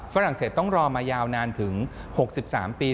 ฝรั่งเศสต้องรอมายาวนานถึง๖๓ปี